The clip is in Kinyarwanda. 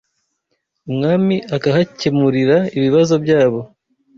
umwami akahakemurira ibibazo byabo